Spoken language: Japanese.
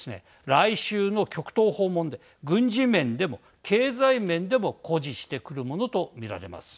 来週の極東訪問で軍事面でも経済面でも誇示してくるものと見られます。